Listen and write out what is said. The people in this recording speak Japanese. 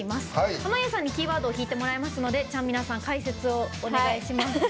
濱家さんにキーワードを引いてもらいますのでちゃんみなさん解説をお願いします。